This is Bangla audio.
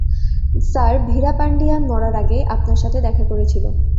স্যার, ভীরাপান্ডিয়ান মরার আগে আপনার সাথে দেখা করেছিল।